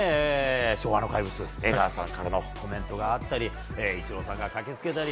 昭和の怪物、江川さんからのコメントがあったりイチローさんが駆け付けたり。